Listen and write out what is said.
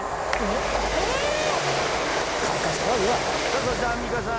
さあそしてアンミカさん。